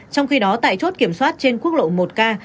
trong khi đó tại chốt kiểm soát trên quốc lộ một k